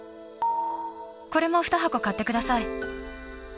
これも２箱買ってください。